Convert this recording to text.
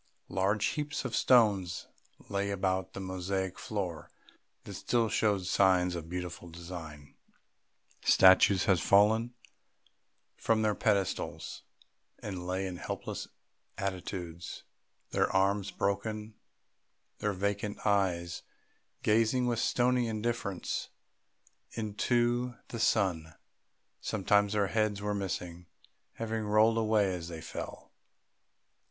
Large heaps of stones lay about the mosaic floor that still showed signs of a beautiful design; statues had fallen from their pedestals and lay in helpless attitudes, their arms broken, their vacant eyes gazing with stony indifference into the sunshine. Sometimes their heads were missing, having rolled away as they fell.